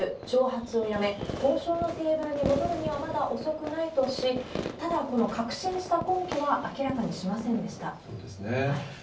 挑発をやめ、交渉のテーブルに戻るにはまだ遅くないとし、ただ、この確信した根拠は明そうですね。